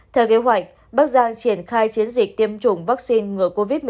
theo kế hoạch bắc giang triển khai chiến dịch tiêm chủng vaccine ngừa covid một mươi chín